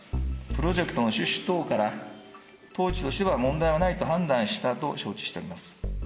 プロジェクトの趣旨等から、当時としては問題ないと判断したと承知しております。